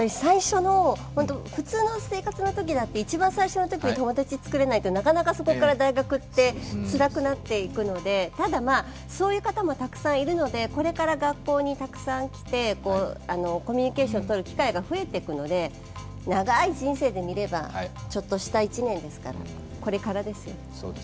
普通の生活のときだって、一番最初のときに友達作れないと、なかなかそこから大学ってつらくなっていくのでただ、そういう方もたくさんいるのでこれから学校にたくさん来て、コミュニケーションとる機会が増えてくるので、長い人生で見ればちょっとした１年ですから、これからです。